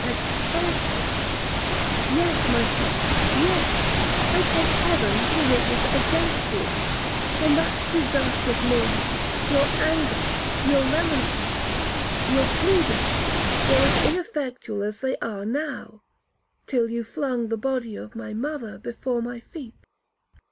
'Extorted!' 'Yes, my father, yes,—I take Heaven to witness against you. On that disastrous morning, your anger, your remonstrances, your pleadings, were as ineffectual as they are now, till you flung the body of my mother before my feet.'